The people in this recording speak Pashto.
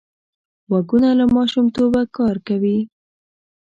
غوږونه له ماشومتوبه کار کوي